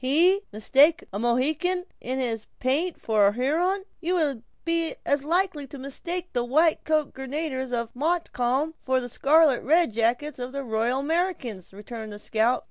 "He mistake a Mohican in his paint for a Huron! You would be as likely to mistake the white coated grenadiers of Montcalm for the scarlet jackets of the Royal Americans," returned the scout.